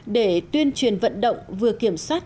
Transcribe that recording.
để tuyên truyền vận động vừa kiểm soát